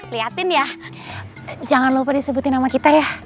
lihatin ya jangan lupa disebutin nama kita ya